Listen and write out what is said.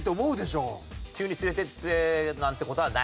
急に連れてってなんて事はない？